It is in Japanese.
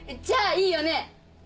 じゃあいいよね？